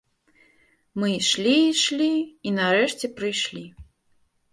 Мы ішлі, ішлі і нарэшце прыйшлі.